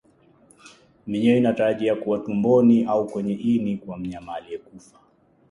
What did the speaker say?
Minyoo inatarajiwa kuwa tumboni au kwenye ini kwa mnyama aliyekufa